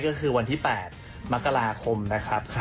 ก็คือวันที่๘มกราคมนะครับ